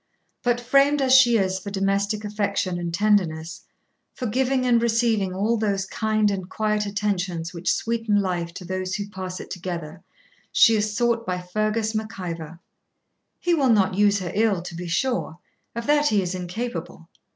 But, framed as she is for domestic affection and tenderness, for giving and receiving all those kind and quiet attentions which sweeten life to those who pass it together, she is sought by Fergus Mac Ivor. He will not use her ill, to be sure; of that he is incapable.